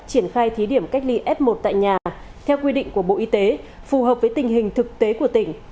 triển khai thí điểm cách ly f một tại nhà theo quy định của bộ y tế phù hợp với tình hình thực tế của tỉnh